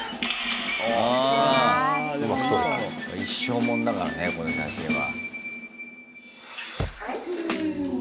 一生もんだからねこの写真は。